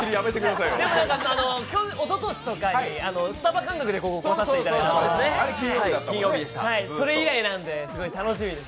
おととしとかにスタバ感覚で来させてもらってて、それ以来なので、すごい楽しみです